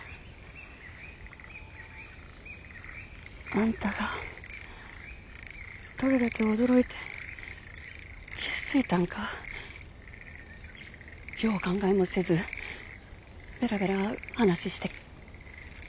あんたがどれだけ驚いて傷ついたんかよう考えもせずベラベラ話して堪忍な。